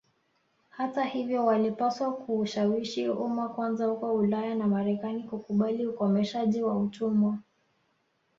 Hata hivyo walipaswa kuushawishi umma kwanza huko Ulaya na Marekani kukubali ukomeshaji wa utumwa